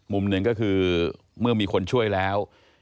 มุมหนึ่งก็คือเมื่อมีคนช่วยแล้ว